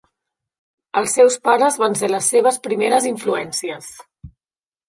Els seus pares van ser les seves primeres influències.